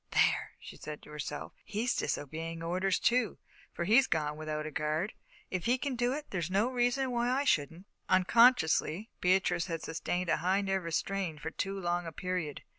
"There," she said to herself, "he's disobeying orders, too, for he's gone without a guard. If he can do it, there's no reason why I shouldn't." Unconsciously, Beatrice had sustained a high nervous strain for too long a period.